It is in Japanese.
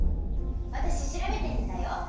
わたししらべてみたよ！